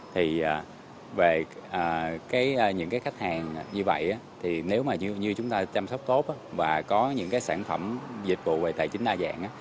thì về những cái khách hàng như vậy thì nếu mà như chúng ta chăm sóc tốt và có những cái sản phẩm dịch vụ về tài chính đa dạng